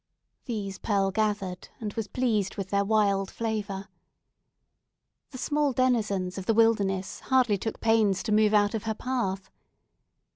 These Pearl gathered, and was pleased with their wild flavour. The small denizens of the wilderness hardly took pains to move out of her path.